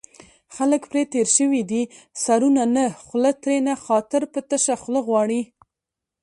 خلک پرې تېر شوي دي سرونو نه خوله ترېنه خاطر په تشه خوله غواړي